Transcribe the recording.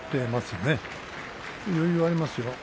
余裕ありますね。